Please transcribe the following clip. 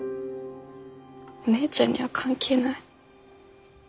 お姉ちゃんには関係ない。